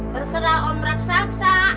berserah om reksa reksa